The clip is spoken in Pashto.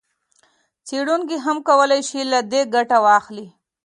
څېړونکي هم کولای شي له دې ګټه واخلي.